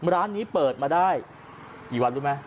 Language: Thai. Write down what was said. ร้านนี้เปิดมาได้กี่วันรู้ไหม